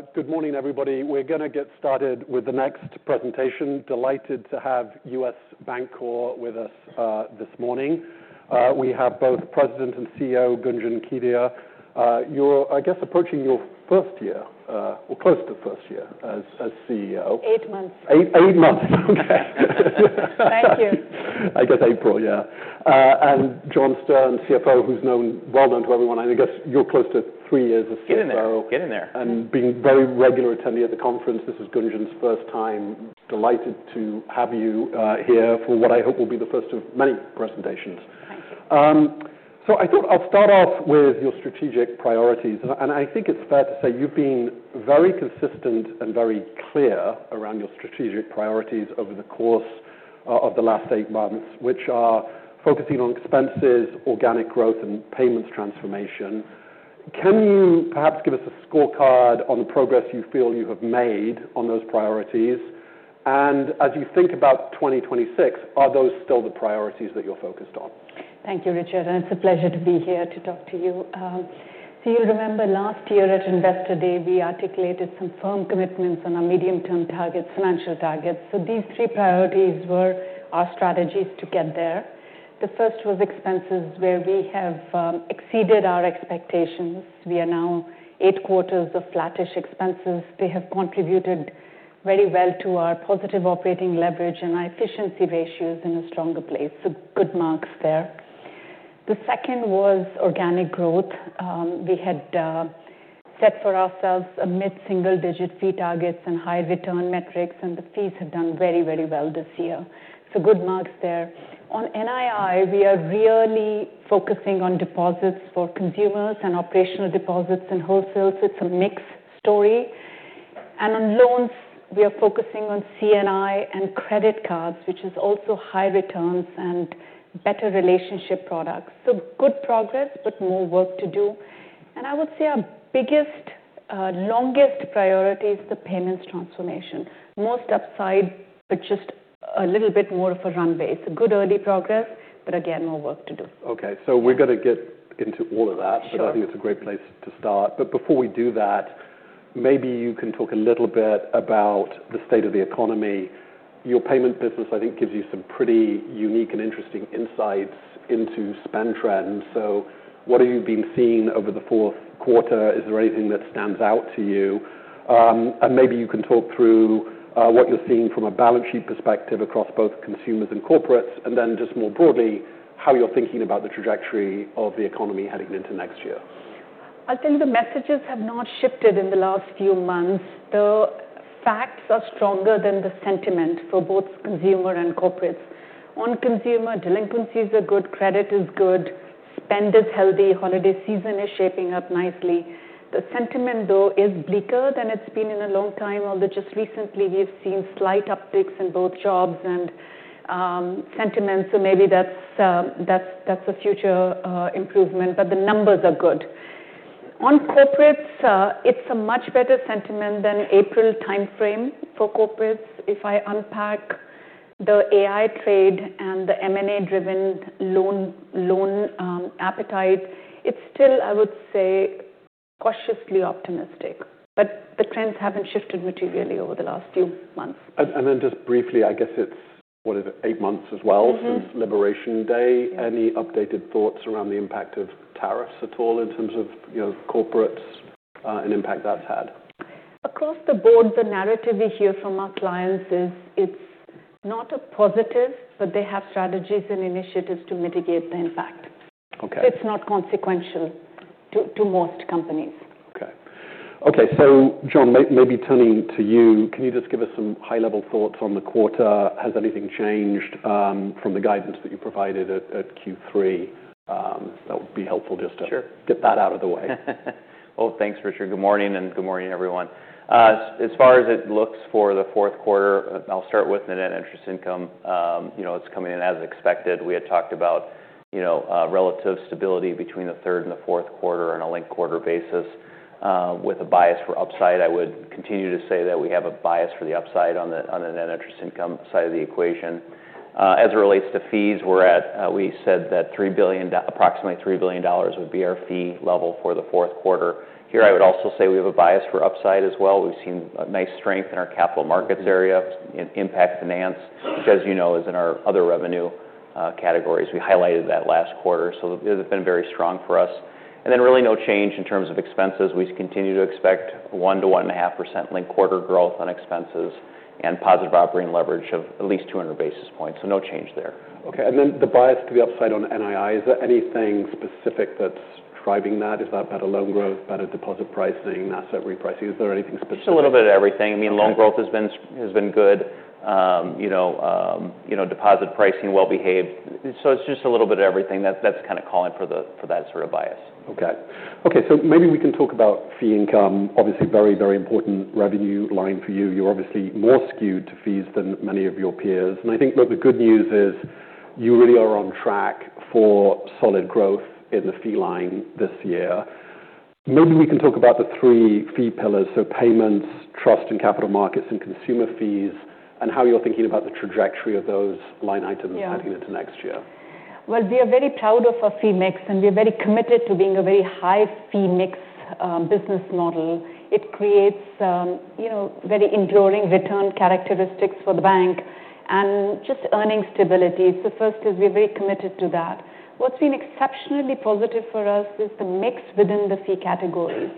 So, good morning, everybody. We're going to get started with the next presentation. Delighted to have U.S. Bancorp with us this morning. We have both President and CEO Gunjan Kedia. You're, I guess, approaching your first year, or close to the first year as CEO. Eight months. Eight months. Okay. Thank you. I guess April, yeah, and John Stern, CFO, who's known, well known to everyone. I guess you're close to three years as CFO. Get in there. Get in there. Being a very regular attendee of the conference, this is Gunjan's first time. Delighted to have you here for what I hope will be the first of many presentations. Thank you. So I thought I'll start off with your strategic priorities. And I think it's fair to say you've been very consistent and very clear around your strategic priorities over the course of the last eight months, which are focusing on expenses, organic growth, and payments transformation. Can you perhaps give us a scorecard on the progress you feel you have made on those priorities? And as you think about 2026, are those still the priorities that you're focused on? Thank you, Richard. And it's a pleasure to be here to talk to you. So you'll remember last year at Investor Day, we articulated some firm commitments on our medium-term targets, financial targets. So these three priorities were our strategies to get there. The first was expenses, where we have exceeded our expectations. We are now eight quarters of flattish expenses. They have contributed very well to our positive operating leverage and our efficiency ratios in a stronger place. So good marks there. The second was organic growth. We had set for ourselves a mid-single-digit fee targets and high return metrics, and the fees have done very, very well this year. So good marks there. On NII, we are really focusing on deposits for consumers and operational deposits and wholesale. So it's a mixed story. And on loans, we are focusing on C&I and credit cards, which is also high returns and better relationship products. So good progress, but more work to do. And I would say our biggest, longest priority is the payments transformation. Most upside, but just a little bit more of a runway. So good early progress, but again, more work to do. Okay, so we're going to get into all of that. Sure. But I think it's a great place to start. But before we do that, maybe you can talk a little bit about the state of the economy. Your Payment business, I think, gives you some pretty unique and interesting insights into spend trends. So what have you been seeing over the fourth quarter? Is there anything that stands out to you, and maybe you can talk through what you're seeing from a balance sheet perspective across both consumers and corporates, and then just more broadly, how you're thinking about the trajectory of the economy heading into next year. I think the messages have not shifted in the last few months. The facts are stronger than the sentiment for both consumer and corporates. On consumer, delinquencies are good, credit is good, spend is healthy, holiday season is shaping up nicely. The sentiment, though, is bleaker than it's been in a long time, although just recently we have seen slight upticks in both jobs and sentiment, so maybe that's a future improvement, but the numbers are good. On corporates, it's a much better sentiment than April timeframe for corporates. If I unpack the AI trade and the M&A-driven loan appetite, it's still, I would say, cautiously optimistic, but the trends haven't shifted materially over the last few months. Just briefly, I guess it's what, is it eight months as well since Liberation Day? Mm-hmm. Any updated thoughts around the impact of tariffs at all in terms of, you know, corporates, and impact that's had? Across the board, the narrative we hear from our clients is it's not a positive, but they have strategies and initiatives to mitigate the impact. Okay. It's not consequential to most companies. Okay. Okay. So, John, maybe turning to you, can you just give us some high-level thoughts on the quarter? Has anything changed from the guidance that you provided at Q3? That would be helpful just to. Sure. Get that out of the way. Well, thanks, Richard. Good morning and good morning, everyone. As far as it looks for the fourth quarter, I'll start with net interest income. You know, it's coming in as expected. We had talked about, you know, relative stability between the third and the fourth quarter on a linked quarter basis, with a bias for upside. I would continue to say that we have a bias for the upside on the, on the net interest income side of the equation. As it relates to fees, we're at, we said that $3 billion, approximately $3 billion would be our fee level for the fourth quarter. Here, I would also say we have a bias for upside as well. We've seen a nice strength in our capital markets area in Impact Finance, which, as you know, is in our other revenue categories. We highlighted that last quarter. So it has been very strong for us. And then really no change in terms of expenses. We continue to expect 1%-1.5% linked quarter growth on expenses and positive operating leverage of at least 200 basis points. So no change there. Okay. And then the bias to the upside on NII, is there anything specific that's driving that? Is that better loan growth, better deposit pricing, asset repricing? Is there anything specific? It's a little bit of everything. I mean, loan growth has been good. You know, deposit pricing well-behaved. So it's just a little bit of everything that's kind of calling for that sort of bias. Okay. Okay. So maybe we can talk about fee income. Obviously, very, very important revenue line for you. You're obviously more skewed to fees than many of your peers. And I think, look, the good news is you really are on track for solid growth in the fee line this year. Maybe we can talk about the three fee pillars, so payments, trust, and capital markets and consumer fees, and how you're thinking about the trajectory of those line items. Yeah. Heading into next year. We are very proud of our fee mix, and we are very committed to being a very high fee mix business model. It creates, you know, very enduring return characteristics for the bank and just earnings stability, so first we are very committed to that. What's been exceptionally positive for us is the mix within the fee categories,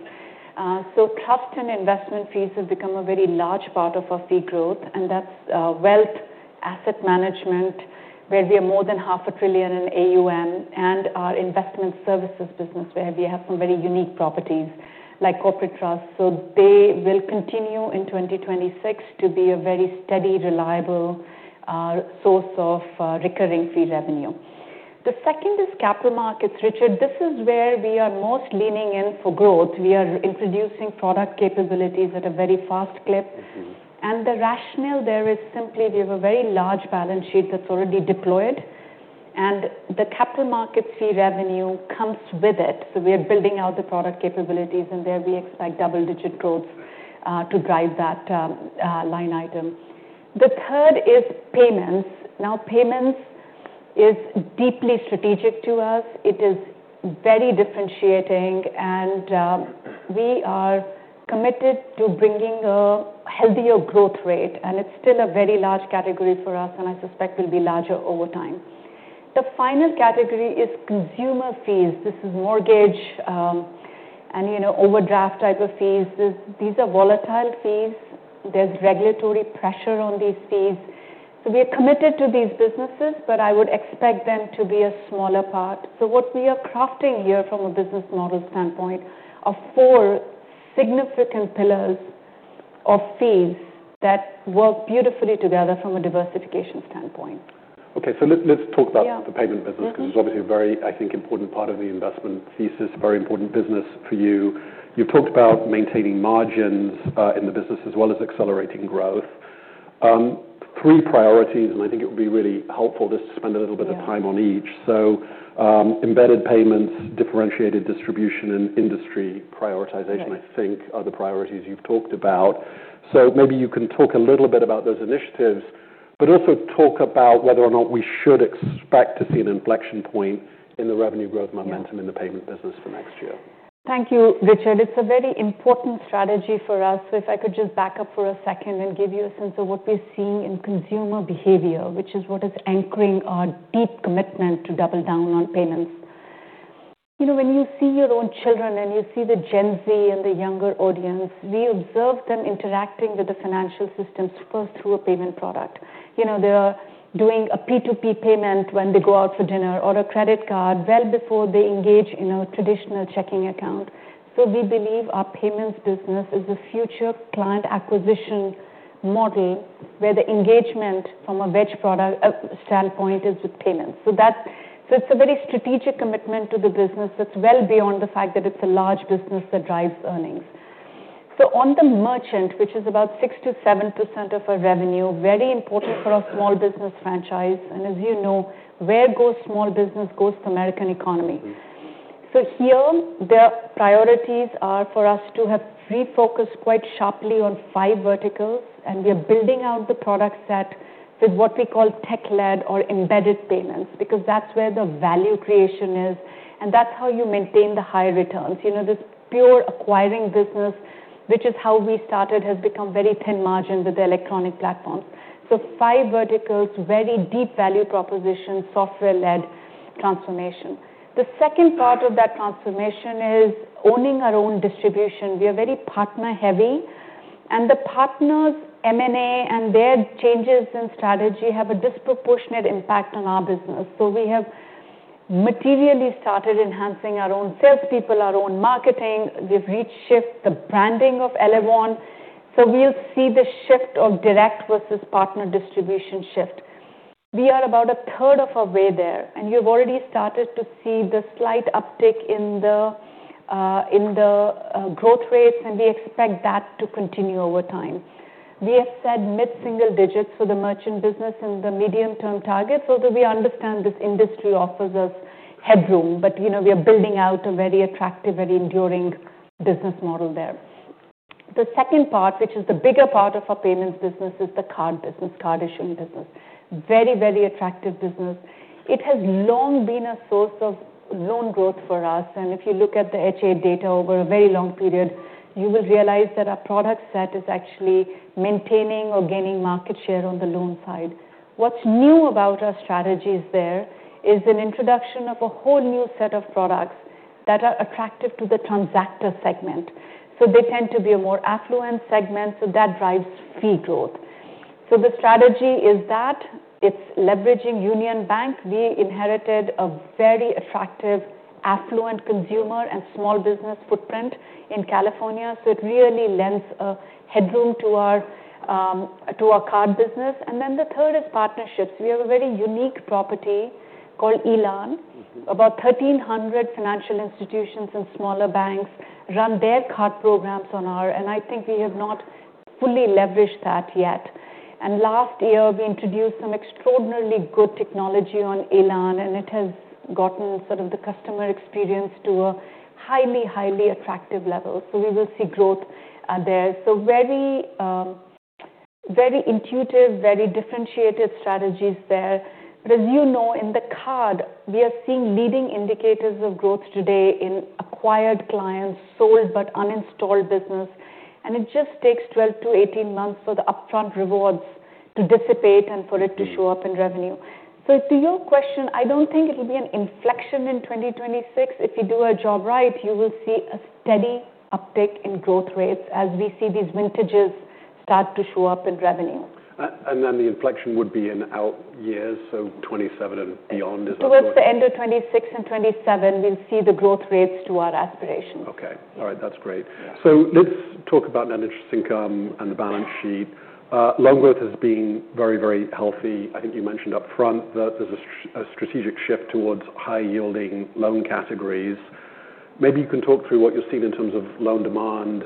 so trust and investment fees have become a very large part of our fee growth, and that's Wealth, Asset Management, where we are more than $500 billion in AUM, and our Investment Services business, where we have some very unique properties like corporate trusts, so they will continue in 2026 to be a very steady, reliable source of recurring fee revenue. The second is capital markets, Richard. This is where we are most leaning in for growth. We are introducing product capabilities at a very fast clip. And the rationale there is simply we have a very large balance sheet that's already deployed, and the capital markets fee revenue comes with it. So we are building out the product capabilities, and there we expect double-digit growth to drive that line item. The third is Payments. Now, Payments is deeply strategic to us. It is very differentiating, and we are committed to bringing a healthier growth rate, and it's still a very large category for us, and I suspect will be larger over time. The final category is consumer fees. This is mortgage, and, you know, overdraft type of fees. These are volatile fees. There's regulatory pressure on these fees. So we are committed to these businesses, but I would expect them to be a smaller part. So what we are crafting here from a business model standpoint are four significant pillars of fees that work beautifully together from a diversification standpoint. Okay, so let's talk about the Payment business. Yeah. Because it's obviously a very, I think, important part of the investment thesis, a very important business for you. You've talked about maintaining margins, in the business as well as accelerating growth. Three priorities, and I think it would be really helpful just to spend a little bit of time on each. So, embedded payments, differentiated distribution, and industry prioritization, I think, are the priorities you've talked about. So maybe you can talk a little bit about those initiatives, but also talk about whether or not we should expect to see an inflection point in the revenue growth momentum in the Payment business for next year. Thank you, Richard. It's a very important strategy for us. So if I could just back up for a second and give you a sense of what we're seeing in consumer behavior, which is what is anchoring our deep commitment to double down on Payments. You know, when you see your own children and you see the Gen Z and the younger audience, we observe them interacting with the financial systems first through a payment product. You know, they are doing a P2P payment when they go out for dinner or a credit card well before they engage in a traditional checking account. So we believe our Payments business is a future client acquisition model where the engagement from a wedge product, standpoint is with payments. So that, so it's a very strategic commitment to the business that's well beyond the fact that it's a large business that drives earnings. So on the merchant, which is about 6%-7% of our revenue, very important for our small business franchise. And as you know, where goes small business goes to the American economy. So here, the priorities are for us to have refocused quite sharply on five verticals, and we are building out the product set with what we call tech-led or embedded payments because that's where the value creation is, and that's how you maintain the high returns. You know, this pure acquiring business, which is how we started, has become very thin margin with the electronic platforms. So five verticals, very deep value proposition, software-led transformation. The second part of that transformation is owning our own distribution. We are very partner-heavy, and the partners' M&A and their changes in strategy have a disproportionate impact on our business. So we have materially started enhancing our own salespeople, our own marketing. We've reshaped the branding of Elavon. So we'll see the shift of direct versus partner distribution shift. We are about a third of our way there, and you've already started to see the slight uptick in the growth rates, and we expect that to continue over time. We have said mid-single digits for the merchant business and the medium-term targets, although we understand this industry offers us headroom. But, you know, we are building out a very attractive, very enduring business model there. The second part, which is the bigger part of our Payments business, is the card business, card issuing business. Very, very attractive business. It has long been a source of loan growth for us. And if you look at the H.8 data over a very long period, you will realize that our product set is actually maintaining or gaining market share on the loan side. What's new about our strategies there is an introduction of a whole new set of products that are attractive to the transactor segment. So they tend to be a more affluent segment, so that drives fee growth. So the strategy is that it's leveraging Union Bank. We inherited a very attractive, affluent consumer and small business footprint in California. So it really lends a headroom to our card business. And then the third is partnerships. We have a very unique property called Elan. Mm-hmm. About 1,300 financial institutions and smaller banks run their card programs on ours, and I think we have not fully leveraged that yet, and last year, we introduced some extraordinarily good technology on Elan, and it has gotten sort of the customer experience to a highly, highly attractive level, so we will see growth there, so very, very intuitive, very differentiated strategies there, but as you know, in the card, we are seeing leading indicators of growth today in acquired clients, sold but uninstalled business, and it just takes 12-18 months for the upfront rewards to dissipate and for it to show up in revenue, so to your question, I don't think it'll be an inflection in 2026. If you do our job right, you will see a steady uptick in growth rates as we see these vintages start to show up in revenue. And then the inflection would be in out years, so 2027 and beyond, is that right? Toward the end of 2026 and 2027, we'll see the growth rates to our aspirations. Okay. All right. That's great. So let's talk about net interest income and the balance sheet. Loan growth has been very, very healthy. I think you mentioned upfront that there's a strategic shift towards high-yielding loan categories. Maybe you can talk through what you've seen in terms of loan demand,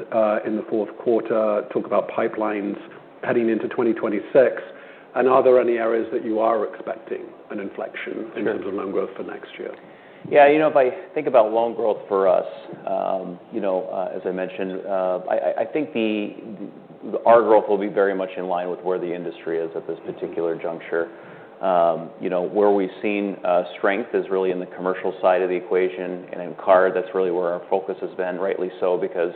in the fourth quarter, talk about pipelines heading into 2026. And are there any areas that you are expecting an inflection in terms of loan growth for next year? Yeah. You know, if I think about loan growth for us, you know, as I mentioned, I think our growth will be very much in line with where the industry is at this particular juncture. You know, where we've seen strength is really in the commercial side of the equation, and in card. That's really where our focus has been, rightly so, because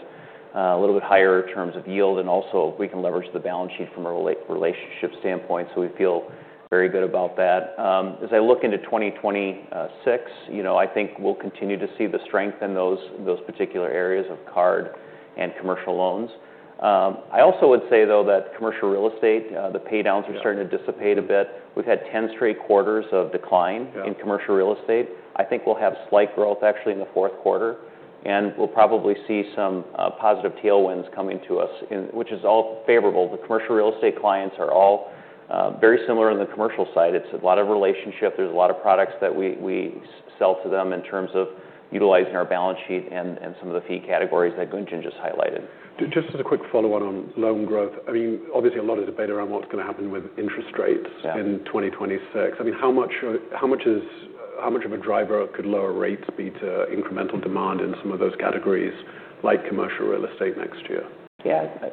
a little bit higher in terms of yield, and also we can leverage the balance sheet from a relationship standpoint. So we feel very good about that. As I look into 2026, you know, I think we'll continue to see the strength in those particular areas of card and commercial loans. I also would say, though, that commercial real estate, the paydowns are starting to dissipate a bit. We've had 10 straight quarters of decline. Yeah. In commercial real estate. I think we'll have slight growth actually in the fourth quarter, and we'll probably see some positive tailwinds coming to us in which is all favorable. The commercial real estate clients are all very similar on the commercial side. It's a lot of relationship. There's a lot of products that we sell to them in terms of utilizing our balance sheet and some of the fee categories that Gunjan just highlighted. Just as a quick follow-on on loan growth, I mean, obviously, a lot is debated around what's going to happen with interest rates. Yeah. In 2026. I mean, how much of a driver could lower rates be to incremental demand in some of those categories like commercial real estate next year? Yeah. All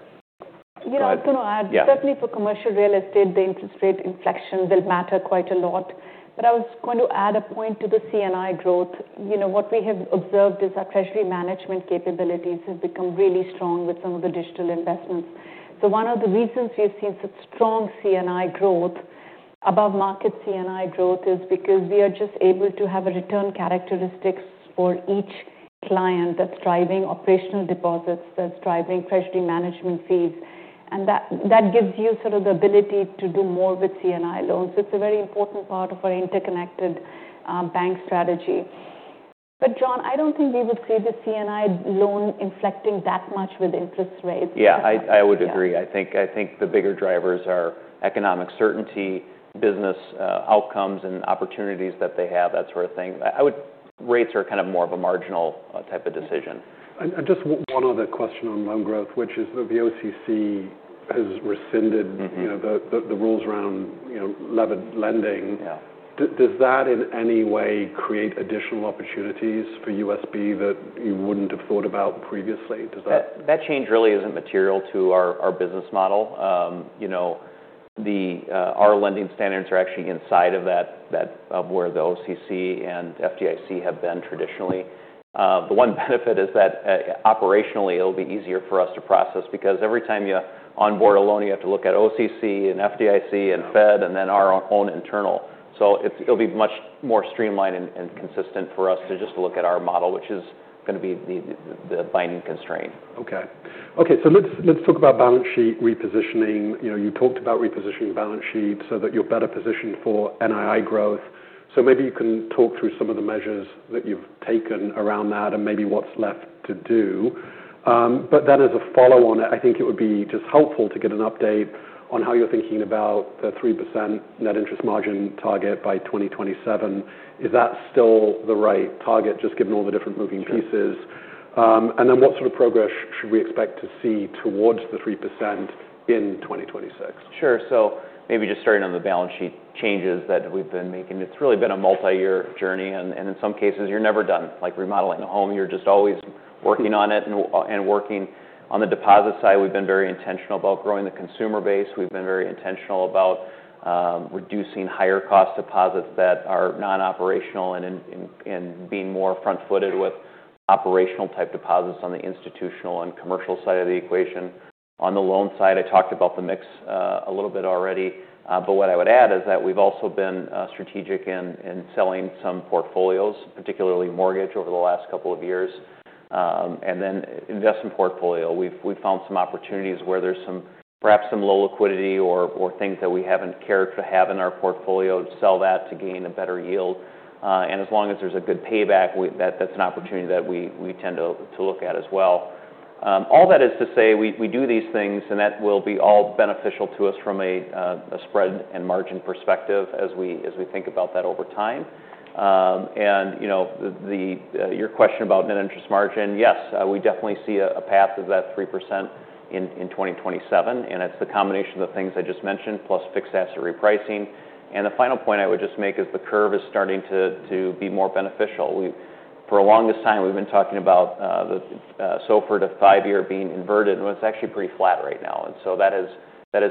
right. You know, I was going to add. Yeah. Certainly for commercial real estate, the interest rate inflection will matter quite a lot. But I was going to add a point to the C&I growth. You know, what we have observed is our treasury management capabilities have become really strong with some of the digital investments. So one of the reasons we've seen such strong C&I growth, above-market C&I growth, is because we are just able to have a return characteristics for each client that's driving operational deposits, that's driving treasury management fees, and that, that gives you sort of the ability to do more with C&I loans. It's a very important part of our interconnected bank strategy. But, John, I don't think we would see the C&I loan inflecting that much with interest rates. Yeah. I would agree. I think the bigger drivers are economic certainty, business outcomes and opportunities that they have, that sort of thing. Rates are kind of more of a marginal type of decision, and just one other question on loan growth, which is that the OCC has rescinded. Mm-hmm. You know, the rules around, you know, leveraged lending. Yeah. Does that in any way create additional opportunities for USB that you wouldn't have thought about previously? Does that? That change really isn't material to our business model. You know, our lending standards are actually inside of that of where the OCC and FDIC have been traditionally. The one benefit is that, operationally, it'll be easier for us to process because every time you onboard a loan, you have to look at OCC and FDIC and Fed and then our own internal, so it'll be much more streamlined and consistent for us to just look at our model, which is going to be the binding constraint. Okay. So let's talk about balance sheet repositioning. You know, you talked about repositioning the balance sheet so that you're better positioned for NII growth. So maybe you can talk through some of the measures that you've taken around that and maybe what's left to do. But then as a follow-on on it, I think it would be just helpful to get an update on how you're thinking about the 3% net interest margin target by 2027. Is that still the right target, just given all the different moving pieces? Yes. and then what sort of progress should we expect to see towards the 3% in 2026? Sure. So maybe just starting on the balance sheet changes that we've been making. It's really been a multi-year journey, and in some cases, you're never done, like remodeling a home. You're just always working on it and working on the deposit side. We've been very intentional about growing the consumer base. We've been very intentional about reducing higher-cost deposits that are non-operational and in being more front-footed with operational-type deposits on the institutional and commercial side of the equation. On the loan side, I talked about the mix, a little bit already, but what I would add is that we've also been strategic in selling some portfolios, particularly mortgage, over the last couple of years. And then investment portfolio, we've found some opportunities where there's some, perhaps some low liquidity or things that we haven't cared to have in our portfolio, sell that to gain a better yield. And as long as there's a good payback, that's an opportunity that we tend to look at as well. All that is to say, we do these things, and that will be all beneficial to us from a spread and margin perspective as we think about that over time. And, you know, your question about net interest margin, yes, we definitely see a path of that 3% in 2027, and it's the combination of the things I just mentioned plus fixed asset repricing. The final point I would just make is the curve is starting to be more beneficial. We, for a long time, we've been talking about the SOFR to five-year being inverted, and it's actually pretty flat right now, and so that has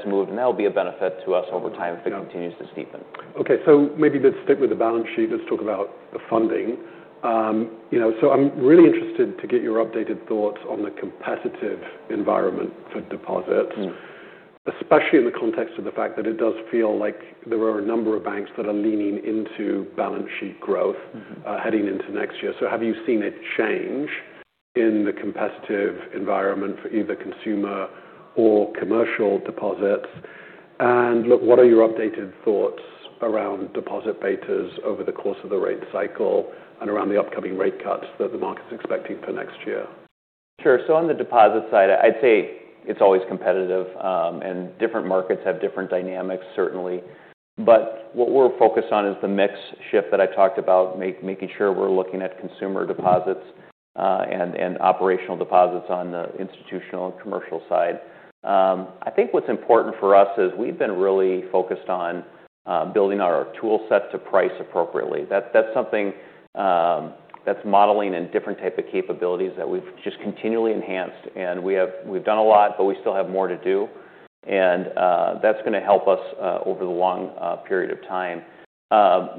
moved, and that'll be a benefit to us over time if it continues to steepen. Okay, so maybe let's stick with the balance sheet. Let's talk about the funding, you know, so I'm really interested to get your updated thoughts on the competitive environment for deposits. Mm-hmm. Especially in the context of the fact that it does feel like there are a number of banks that are leaning into balance sheet growth. Mm-hmm. Heading into next year. So have you seen a change in the competitive environment for either consumer or commercial deposits? And look, what are your updated thoughts around deposit betas over the course of the rate cycle and around the upcoming rate cuts that the market's expecting for next year? Sure. So on the deposit side, I'd say it's always competitive, and different markets have different dynamics, certainly. But what we're focused on is the mix shift that I talked about, making sure we're looking at consumer deposits, and operational deposits on the institutional and commercial side. I think what's important for us is we've been really focused on building our tool set to price appropriately. That's something that's modeling and different type of capabilities that we've just continually enhanced, and we've done a lot, but we still have more to do. That's going to help us over the long period of time.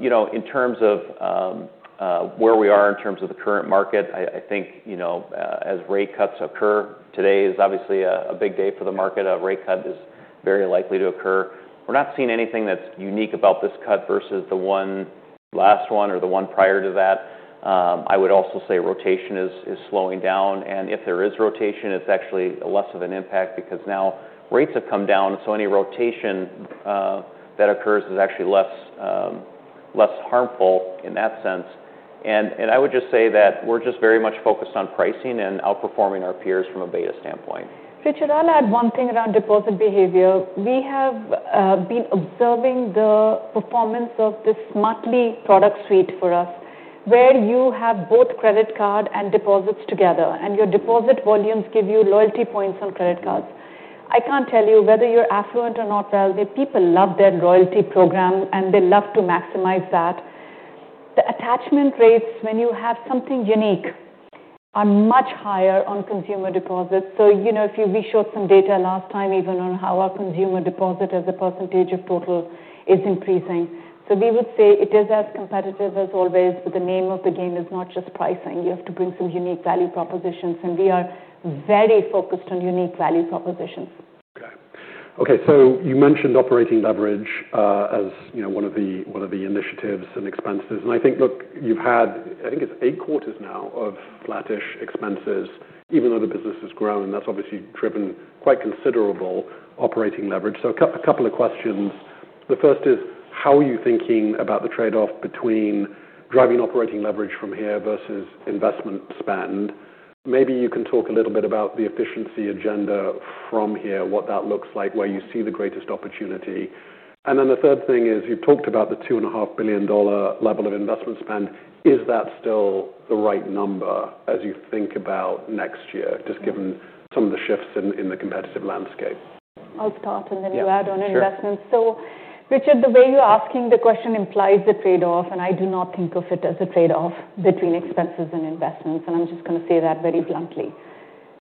You know, in terms of where we are in terms of the current market, I think you know, as rate cuts occur, today is obviously a big day for the market. A rate cut is very likely to occur. We're not seeing anything that's unique about this cut versus the one last one or the one prior to that. I would also say rotation is slowing down, and if there is rotation, it's actually less of an impact because now rates have come down, so any rotation that occurs is actually less harmful in that sense. And I would just say that we're just very much focused on pricing and outperforming our peers from a beta standpoint. Richard, I'll add one thing around deposit behavior. We have been observing the performance of the Smartly product suite for us, where you have both credit card and deposits together, and your deposit volumes give you loyalty points on credit cards. I can't tell you whether you're affluent or not, Rich. The people love their loyalty program, and they love to maximize that. The attachment rates, when you have something unique, are much higher on consumer deposits. So, you know, if we showed some data last time even on how our consumer deposit as a percentage of total is increasing. So we would say it is as competitive as always, but the name of the game is not just pricing. You have to bring some unique value propositions, and we are very focused on unique value propositions. Okay. So you mentioned operating leverage, as you know, one of the initiatives and expenses. And I think, look, you've had, I think it's eight quarters now of flattish expenses, even though the business has grown, and that's obviously driven quite considerable operating leverage. So a couple of questions. The first is, how are you thinking about the trade-off between driving operating leverage from here versus investment spend? Maybe you can talk a little bit about the efficiency agenda from here, what that looks like, where you see the greatest opportunity. And then the third thing is, you've talked about the $2.5 billion level of investment spend. Is that still the right number as you think about next year, just given some of the shifts in the competitive landscape? I'll start, and then you add on investments. Sure. So Richard, the way you're asking the question implies a trade-off, and I do not think of it as a trade-off between expenses and investments, and I'm just going to say that very bluntly.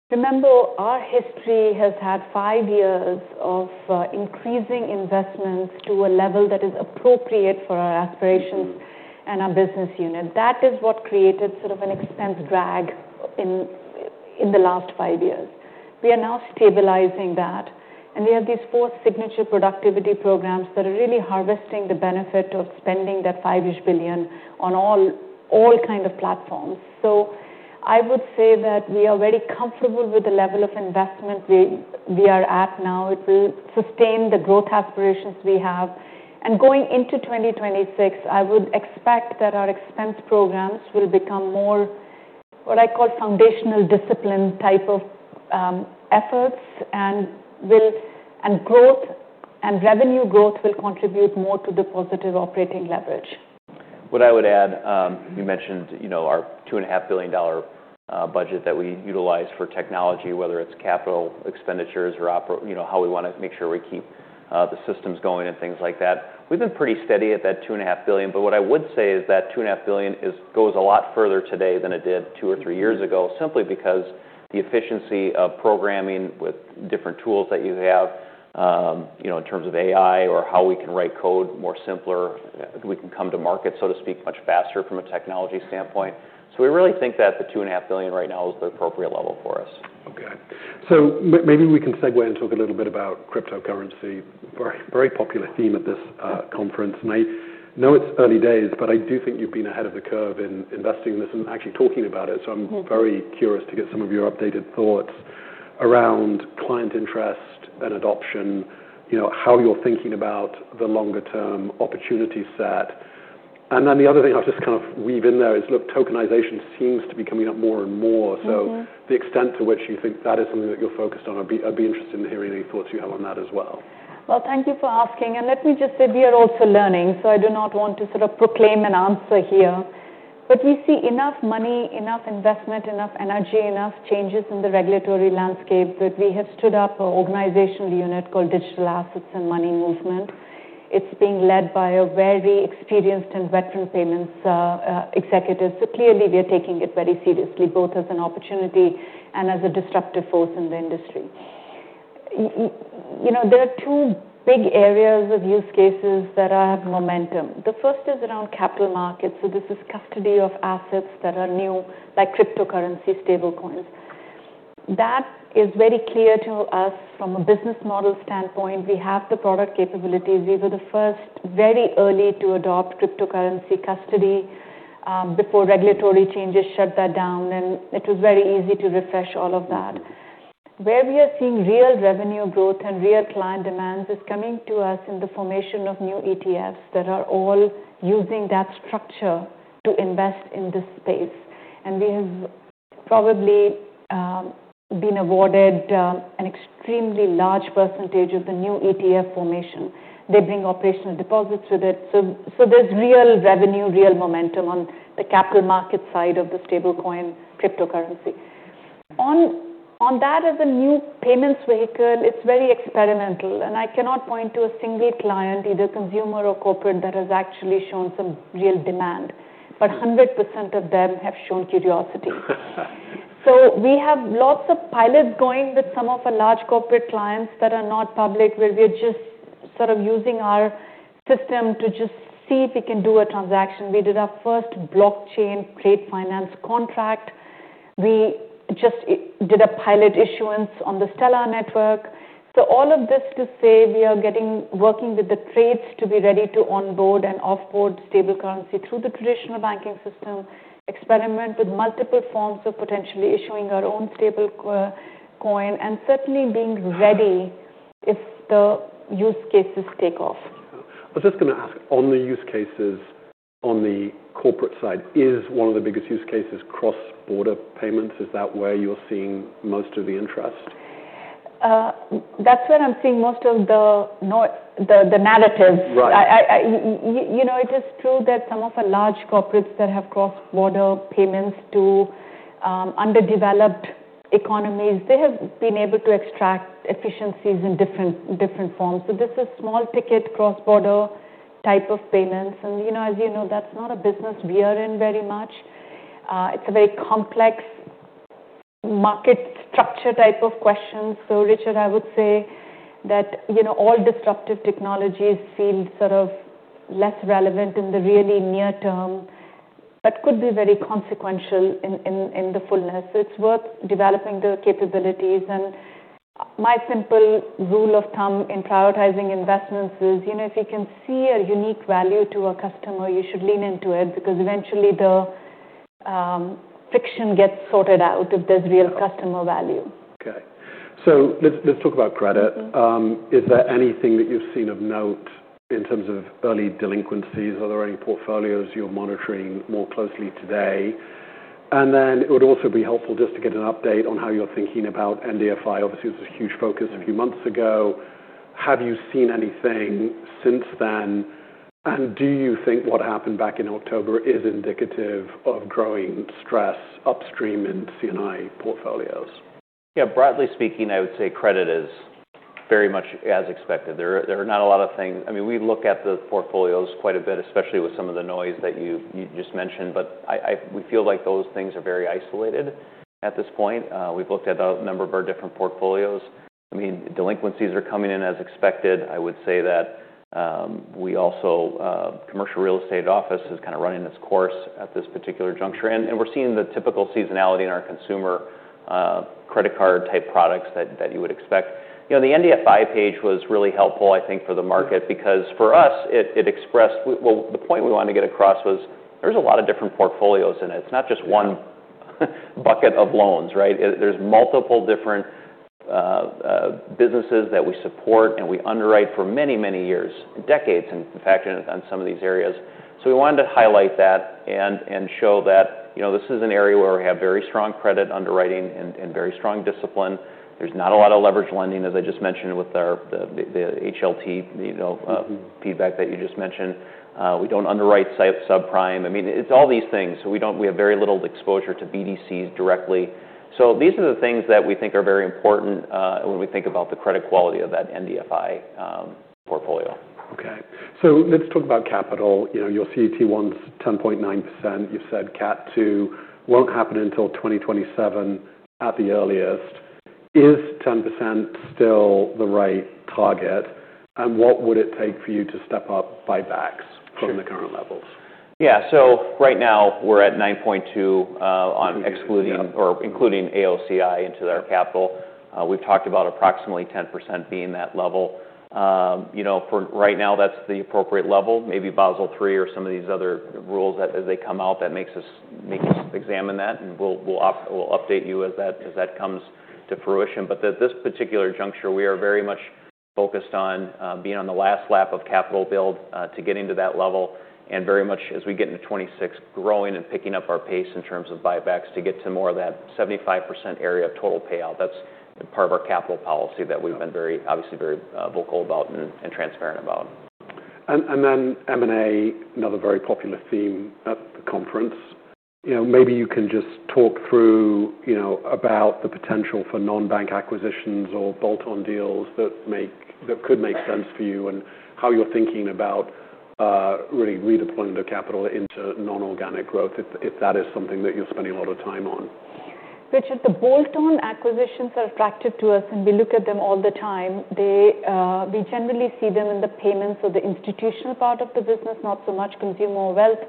Remember, our history has had five years of increasing investments to a level that is appropriate for our aspirations and our business unit. That is what created sort of an expense drag in the last five years. We are now stabilizing that, and we have these four signature productivity programs that are really harvesting the benefit of spending that $5-ish billion on all kind of platforms. So I would say that we are very comfortable with the level of investment we are at now. It will sustain the growth aspirations we have. Going into 2026, I would expect that our expense programs will become more what I call foundational discipline type of efforts, and growth and revenue growth will contribute more to the positive operating leverage. What I would add, you mentioned, you know, our $2.5 billion budget that we utilize for technology, whether it's capital expenditures or OpEx, you know, how we want to make sure we keep the systems going and things like that. We've been pretty steady at that $2.5 billion, but what I would say is that $2.5 billion it goes a lot further today than it did two or three years ago, simply because the efficiency of programming with different tools that you have, you know, in terms of AI or how we can write code more simpler, we can come to market, so to speak, much faster from a technology standpoint, so we really think that the $2.5 billion right now is the appropriate level for us. Okay. So maybe we can segue and talk a little bit about cryptocurrency, very, very popular theme at this conference. And I know it's early days, but I do think you've been ahead of the curve in investing in this and actually talking about it. So I'm very curious to get some of your updated thoughts around client interest and adoption, you know, how you're thinking about the longer-term opportunity set. And then the other thing I'll just kind of weave in there is, look, tokenization seems to be coming up more and more. So. Mm-hmm. The extent to which you think that is something that you're focused on, I'd be interested in hearing any thoughts you have on that as well. Well, thank you for asking. And let me just say we are also learning, so I do not want to sort of proclaim an answer here. But we see enough money, enough investment, enough energy, enough changes in the regulatory landscape that we have stood up an organizational unit called Digital Assets and Money Movement. It's being led by a very experienced and veteran payments executive. So clearly, we are taking it very seriously, both as an opportunity and as a disruptive force in the industry. You know, there are two big areas of use cases that have momentum. The first is around capital markets. So this is custody of assets that are new, like cryptocurrency, stablecoins. That is very clear to us from a business model standpoint. We have the product capabilities. We were the first, very early, to adopt cryptocurrency custody before regulatory changes shut that down, and it was very easy to refresh all of that. Where we are seeing real revenue growth and real client demands is coming to us in the formation of new ETFs that are all using that structure to invest in this space. And we have probably been awarded an extremely large percentage of the new ETF formation. They bring operational deposits with it. So there's real revenue, real momentum on the capital market side of the stablecoin cryptocurrency. On that as a new payments vehicle, it's very experimental, and I cannot point to a single client, either consumer or corporate, that has actually shown some real demand, but 100% of them have shown curiosity. So we have lots of pilots going with some of our large corporate clients that are not public, where we are just sort of using our system to just see if we can do a transaction. We did our first blockchain trade finance contract. We just did a pilot issuance on the Stellar network. So all of this to say we are getting working with the trades to be ready to onboard and offboard stable currency through the traditional banking system, experiment with multiple forms of potentially issuing our own stablecoin, and certainly being ready if the use cases take off. I was just going to ask, on the use cases on the corporate side, is one of the biggest use cases cross-border payments? Is that where you're seeing most of the interest? That's where I'm seeing most of the narrative. Right. You know, it is true that some of our large corporates that have cross-border payments to underdeveloped economies, they have been able to extract efficiencies in different forms. So this is small-ticket cross-border type of payments. And, you know, as you know, that's not a business we are in very much. It's a very complex market structure type of question. So Richard, I would say that, you know, all disruptive technologies feel sort of less relevant in the really near term but could be very consequential in the fullness. It's worth developing the capabilities. And my simple rule of thumb in prioritizing investments is, you know, if you can see a unique value to a customer, you should lean into it because eventually the friction gets sorted out if there's real customer value. Okay, so let's talk about credit. Mm-hmm. Is there anything that you've seen of note in terms of early delinquencies? Are there any portfolios you're monitoring more closely today? And then it would also be helpful just to get an update on how you're thinking about NDFI. Obviously, it was a huge focus a few months ago. Have you seen anything since then, and do you think what happened back in October is indicative of growing stress upstream in C&I portfolios? Yeah. Broadly speaking, I would say credit is very much as expected. There are not a lot of things I mean, we look at the portfolios quite a bit, especially with some of the noise that you just mentioned, but we feel like those things are very isolated at this point. We've looked at a number of our different portfolios. I mean, delinquencies are coming in as expected. I would say that we also, commercial real estate office is kind of running its course at this particular juncture, and we're seeing the typical seasonality in our consumer credit card type products that you would expect. You know, the NDFI page was really helpful, I think, for the market because for us, it expressed well the point we wanted to get across was there's a lot of different portfolios in it. It's not just one bucket of loans, right? There's multiple different businesses that we support and we underwrite for many, many years, decades, in fact, in some of these areas. So we wanted to highlight that and show that, you know, this is an area where we have very strong credit underwriting and very strong discipline. There's not a lot of leverage lending, as I just mentioned, with the HLT, you know. Mm-hmm. Feedback that you just mentioned. We don't underwrite subprime. I mean, it's all these things, so we don't have very little exposure to BDCs directly, so these are the things that we think are very important when we think about the credit quality of that NDFI portfolio. Okay, so let's talk about capital. You know, your CET1's 10.9%. You said Category II won't happen until 2027 at the earliest. Is 10% still the right target, and what would it take for you to step up buybacks from the current levels? Yeah. So right now, we're at 9.2, on excluding. Okay. Or including AOCI into our capital. We've talked about approximately 10% being that level. You know, for right now, that's the appropriate level. Maybe Basel III or some of these other rules that, as they come out, make us examine that, and we'll update you as that comes to fruition. But at this particular juncture, we are very much focused on being on the last lap of capital build to get into that level and very much, as we get into 2026, growing and picking up our pace in terms of buybacks to get to more of that 75% area of total payout. That's part of our capital policy that we've been very. Okay. Obviously very vocal about and transparent about. M&A, another very popular theme at the conference. You know, maybe you can just talk through, you know, about the potential for non-bank acquisitions or bolt-on deals that could make sense for you and how you're thinking about really redeploying the capital into non-organic growth if that is something that you're spending a lot of time on. Richard, the bolt-on acquisitions are attractive to us, and we look at them all the time. They, we generally see them in the payments or the institutional part of the business, not so much consumer wealth,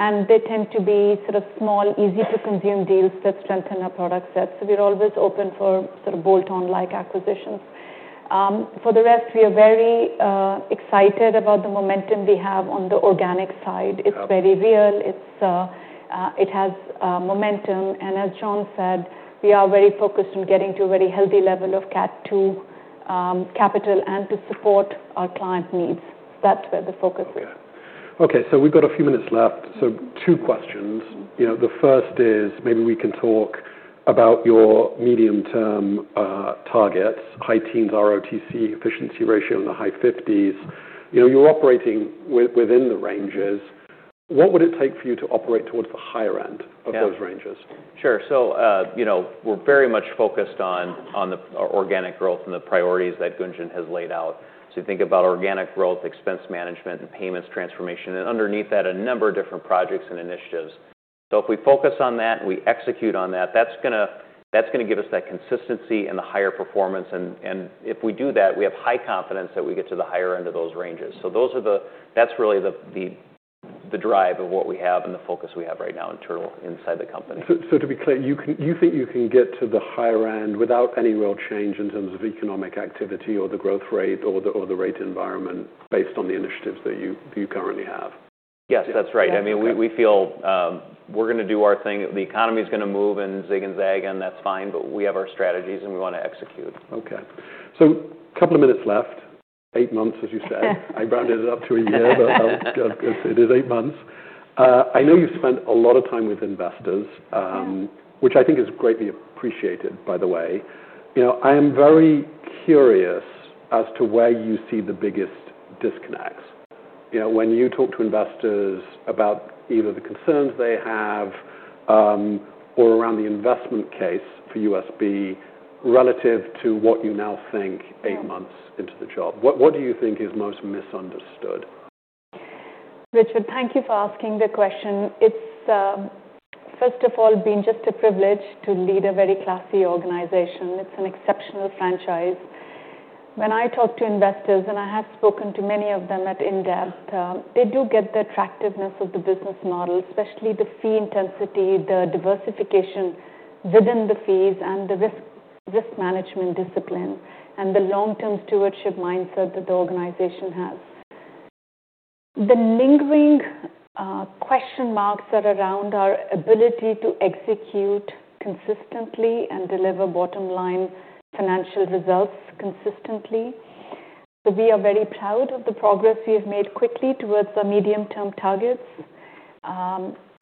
and they tend to be sort of small, easy-to-consume deals that strengthen our product sets. So we're always open for sort of bolt-on-like acquisitions. For the rest, we are very excited about the momentum we have on the organic side. Okay. It's very real. It has momentum. As John said, we are very focused on getting to a very healthy level of Category II capital and to support our client needs. That's where the focus is. Okay. Okay. So we've got a few minutes left. So two questions. You know, the first is maybe we can talk about your medium-term targets, high teens ROTCE, efficiency ratio in the high 50s. You know, you're operating within the ranges. What would it take for you to operate towards the higher end of those ranges? Yeah. Sure. So, you know, we're very much focused on the organic growth and the priorities that Gunjan has laid out. So you think about organic growth, expense management, and payments transformation, and underneath that, a number of different projects and initiatives. So if we focus on that and we execute on that, that's going to give us that consistency and the higher performance. And if we do that, we have high confidence that we get to the higher end of those ranges. So that's really the drive of what we have and the focus we have right now internal inside the company. So, to be clear, you think you can get to the higher end without any real change in terms of economic activity or the growth rate or the rate environment based on the initiatives that you currently have? Yes, that's right. I mean, we feel, we're going to do our thing. The economy's going to move and zig and zag, and that's fine, but we have our strategies, and we want to execute. Okay, so a couple of minutes left, eight months, as you said. Yes. I rounded it up to a year, but I'll say it is eight months. I know you've spent a lot of time with investors, which I think is greatly appreciated, by the way. You know, I am very curious as to where you see the biggest disconnects. You know, when you talk to investors about either the concerns they have, or around the investment case for USB relative to what you now think eight months into the job, what do you think is most misunderstood? Richard, thank you for asking the question. It's, first of all, been just a privilege to lead a very classy organization. It's an exceptional franchise. When I talk to investors, and I have spoken to many of them in depth, they do get the attractiveness of the business model, especially the fee intensity, the diversification within the fees, and the risk, risk management discipline, and the long-term stewardship mindset that the organization has. The lingering, question marks are around our ability to execute consistently and deliver bottom-line financial results consistently. So we are very proud of the progress we have made quickly towards our medium-term targets.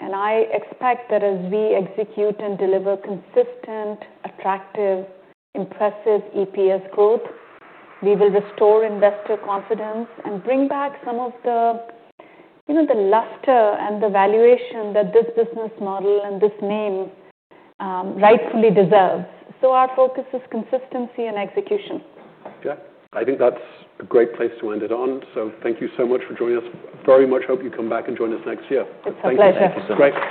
And I expect that as we execute and deliver consistent, attractive, impressive EPS growth, we will restore investor confidence and bring back some of the, you know, the luster and the valuation that this business model and this name, rightfully deserves. Our focus is consistency and execution. Okay. I think that's a great place to end it on. So thank you so much for joining us. Very much hope you come back and join us next year. It's a pleasure. Thank you so much.